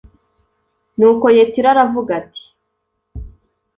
Nuko Yetiro aravuga ati